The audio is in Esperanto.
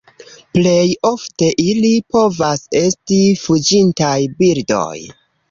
Plej ofte ili povas esti fuĝintaj birdoj.